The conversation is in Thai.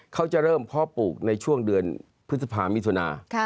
เขาจะเริ่มเพาะปลูกในช่วงเดือนพฤษภามิถุนา